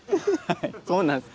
そうなんです？